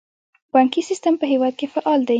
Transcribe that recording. بانکي سیستم په هیواد کې فعال دی